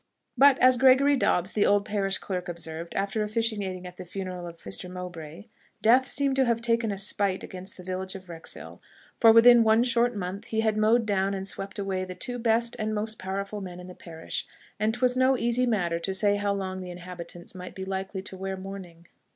But, as Gregory Dobbs, the old parish clerk, observed, after officiating at the funeral of Mr. Mowbray, "Death seemed to have taken a spite against the village of Wrexhill, for within one short month he had mowed down and swept away the two best and most powerful men in the parish, and 'twas no easy matter to say how long the inhabitants might be likely to wear mourning."